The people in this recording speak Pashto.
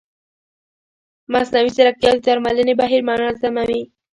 مصنوعي ځیرکتیا د درملنې بهیر منظموي.